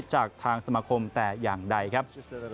จากทางสมาคมแต่อย่างใดครับ